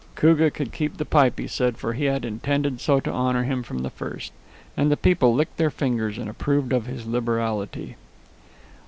Koogah could keep the pipe, he said, for he had intended so to honor him from the first. And the people licked their fingers and approved of his liberality.